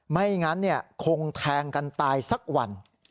ไม่งั้นคงแทงกันตายสักวัน